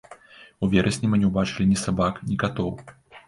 У верасні мы не ўбачылі ні сабак, ні катоў.